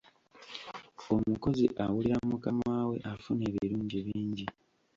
Omukozi awulira mukama we afuna ebirungi bingi.